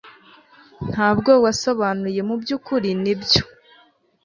ntabwo wasobanuye mubyukuri, nibyo